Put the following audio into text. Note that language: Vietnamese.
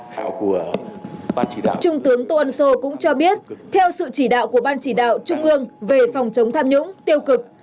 trung tướng tô ân sô cũng cho biết theo sự chỉ đạo của ban chỉ đạo trung ương về phòng chống tham nhũng tiêu cực